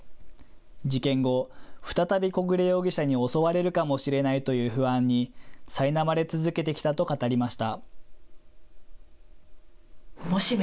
事件後、再び小暮容疑者に襲われるかもしれないという不安にさいなまれ続けてきたと語りました。